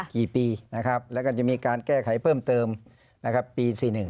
กี่ปีและก็จะมีการแก้ไขเพิ่มเติมปี๔๑